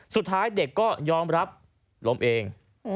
สุดท้ายเด็กก็ยอมรับล้มเอง